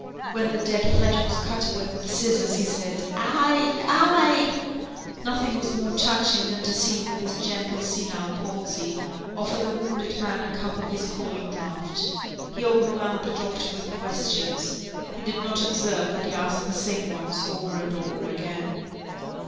When the dead flesh was cut away with scissors, he said: "Aïe! aïe!" Nothing was more touching than to see him with his gentle, senile palsy, offer the wounded man a cup of his cooling draught. He overwhelmed the doctor with questions. He did not observe that he asked the same ones over and over again.